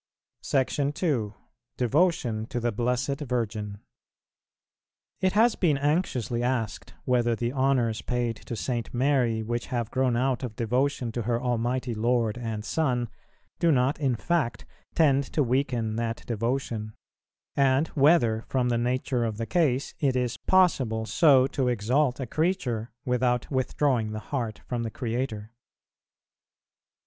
SECTION II. DEVOTION TO THE BLESSED VIRGIN. It has been anxiously asked, whether the honours paid to St. Mary, which have grown out of devotion to her Almighty Lord and Son, do not, in fact, tend to weaken that devotion; and whether, from the nature of the case, it is possible so to exalt a creature without withdrawing the heart from the Creator.